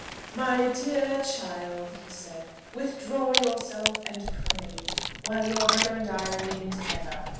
"My dear child," he said, "withdraw yourself, and pray, while your mother and I remain together.